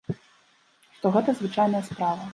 Што гэта звычайная справа.